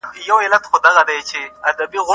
د بې وزلو مرسته يې د عدالت برخه ګڼله.